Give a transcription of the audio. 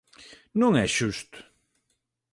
Non é xusto!